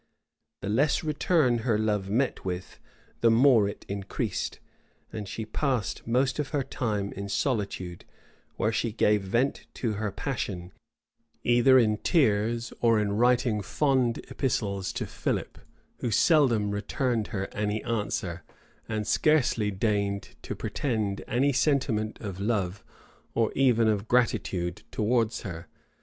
The less return her love met with, the more it increased; and she passed most of her time in solitude, where she gave vent to her passion, either in tears, or in writing fond epistles to Philip, who seldom returned her any answer, and scarcely deigned to pretend any sentiment of love or even of gratitude towards her.